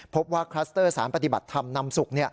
คลัสเตอร์สารปฏิบัติธรรมนำสุข